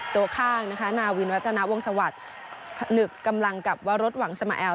ตัวข้างนะคะนาวินรัตนาวงศวรรค์ผนึกกำลังกับวรสหวังสมแอล